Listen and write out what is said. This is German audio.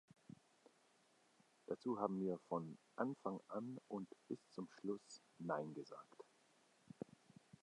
Dazu haben wir von Anfang an und bis zum Schluss nein gesagt.